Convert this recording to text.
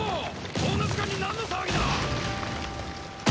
こんな時間に何の騒ぎだ！